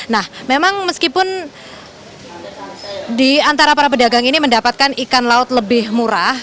nah memang meskipun di antara para pedagang ini mendapatkan ikan laut lebih murah